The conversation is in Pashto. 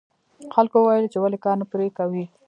خلکو وویل چې ولې کار نه پرې کوې.